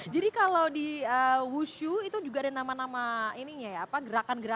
jadi kalau di wushu itu juga ada nama nama gerakan gerakan ya